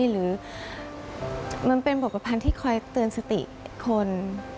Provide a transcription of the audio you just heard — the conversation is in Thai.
หรือมันเป็นบวกประพันธ์ที่คอยเตือนสติคน